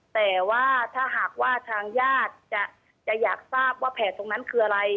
แต่ว่าถ้าหากว่าทางญาติจะอยากทราบว่าแผลตรงนั้นคืออะไร